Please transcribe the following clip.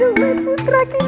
aduh putra kidul